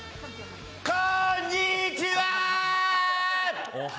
こんにちは！